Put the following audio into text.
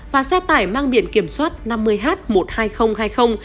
và xe tải mang biển kiểm soát năm mươi h một mươi hai nghìn hai mươi